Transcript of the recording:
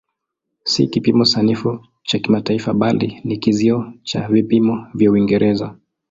Si kipimo sanifu cha kimataifa bali ni kizio cha vipimo vya Uingereza.